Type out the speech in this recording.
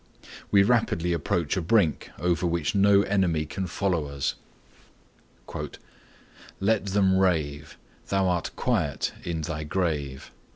We rapidly approach a brink over which no enemy can follow us:— "Let them rave: Thou art quiet in thy grave."